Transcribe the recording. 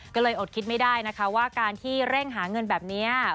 ก็เลยอดคิดไม่ได้นะคะว่าการที่เร่งหาเงินแบบนี้